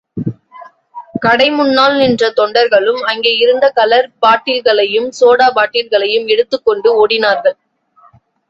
கடைமுன்னால் நின்ற தொண்டர்களும், அங்கே இருந்த கலர் பாட்டில்களையும், சோடா பாட்டில்களையும் எடுத்துக் கொண்டு ஓடினார்கள்.